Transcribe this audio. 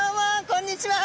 こんにちは。